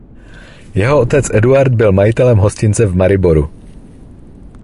Jeho otec Eduard byl majitelem hostince v Mariboru.